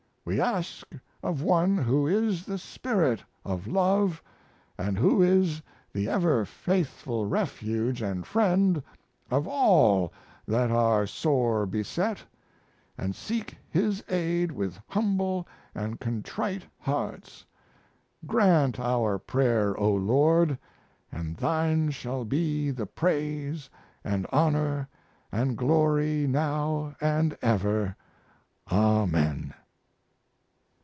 We ask of one who is the Spirit of love & who is the ever faithful refuge & friend of all that are sore beset, & seek His aid with humble & contrite hearts. Grant our prayer, O Lord; & Thine shall be the praise & honor & glory now & ever, Amen."